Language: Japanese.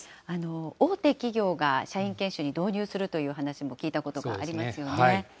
大手企業が社員研修に導入するという話も聞いたことがありますよね。